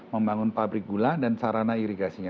membangun pabrik gula dan sarana irigasinya